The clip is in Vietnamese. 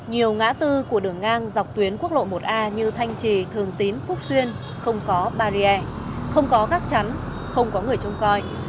nhiều ngã tư của đường ngang dọc tuyến quốc lộ một a như thanh trì thường tín phúc xuyên không có barrier không có gắt chắn không có người trông coi